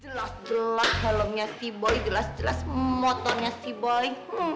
gelap jelak helmnya si boy jelas jelas motornya si boy